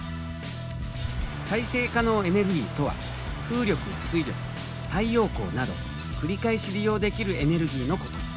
再生可能エネルギーとは風力や水力太陽光など繰り返し利用できるエネルギーのこと。